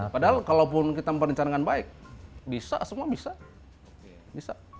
padahal kalau pun kita memperkenalkan baik bisa semua bisa